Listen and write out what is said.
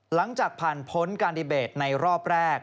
หลังจากผ่านพ้นการดีเบตในรอบแรก